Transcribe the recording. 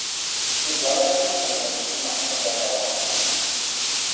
亦有一啲用類似文體嘅袋裝書